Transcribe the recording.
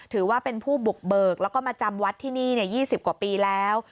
ถือว่าเป็นผู้บุกเบิกแล้วก็มาจำวัดที่นี่๒๐กว่าปีแล้ว